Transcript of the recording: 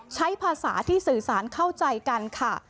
ใช้ภาษาที่สื่อสารเข้าใจกันค่ะ